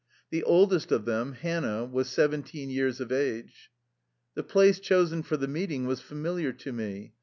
The oldest of them, Hannah, was seventeen years of age. The place chosen for the meeting was familiar to me.